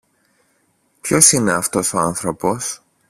Ποιος είναι αυτός ο άνθρωπος;